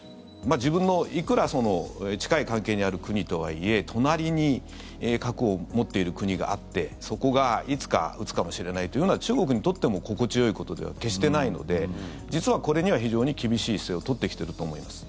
自分のいくら近い関係にある国とはいえ隣に核を持っている国があってそこがいつか撃つかもしれないというような中国にとっても心地よいことでは決してないので実はこれには非常に厳しい姿勢を取ってきていると思います。